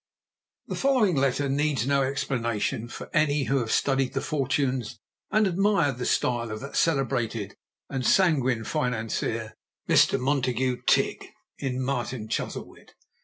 The following letter needs no explanation for any who have studied the fortunes and admired the style of that celebrated and sanguine financier, Mr. Montague Tigg, in "Martin Chuzzlewit."